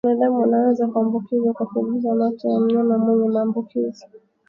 Binadamu anaweza kuambukizwa kwa kugusa mate ya mnyama mwenye maambukizi